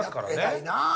偉いなあ